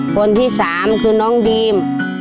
คนที่๓คือน้องดีม